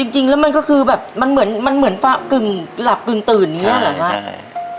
จริงแล้วมันก็คือแบบมันเหมือนหลับขึ่งตื่นเนี่ยเหรอคะใช่